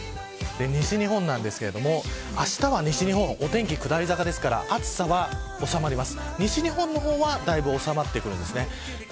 西日本なんですがあしたは西日本、お天気下り坂なんで暑さはいったんおさまります。